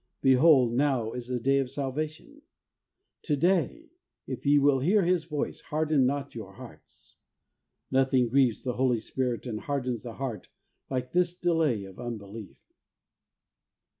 Behold, now is the day of Salvation.' 'To day, if ye will hear His voice, harden not your hearts.' Nothing grieves the Holy Spirit and hardens the heart like this delay of unbelief.